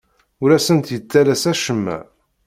Ur asent-yettalas acemma.